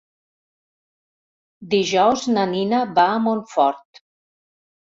Dijous na Nina va a Montfort.